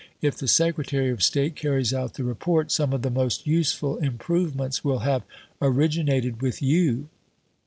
If the Secretary of State carries out the Report, some of the most useful improvements will have originated with you."